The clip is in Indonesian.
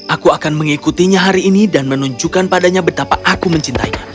aku akan mengikutinya hari ini dan menunjukkan padanya betapa aku mencintainya